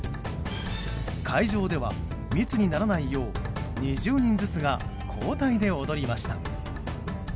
会場では密にならないよう２０人ずつが交代で踊りました。